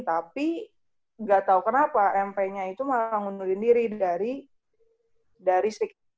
tapi gak tau kenapa mp nya itu malah ngundurin diri dari dari sekitar itu